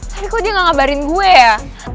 kan kok dia gak ngabarin gue ya